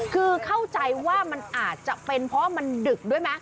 คือเข้าใจว่ามันอาจจะเป็นเพราะมันดึกด้วยไหม